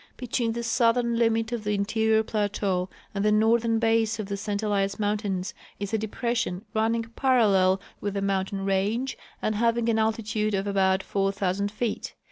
BetAveen the southern limit of the interior plateau and the northern base of the St Elias mountains is a depression running ,, 23arallel Avith the mountain range and having an altitude of about 4,000 feet.